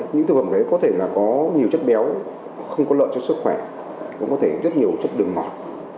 những thực phẩm đấy có thể là có nhiều chất béo không có lợi cho sức khỏe cũng có thể rất nhiều chất đường mòn